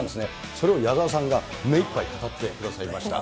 それを矢沢さんが目いっぱい語ってくださいました。